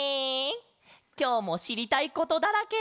きょうもしりたいことだらけ！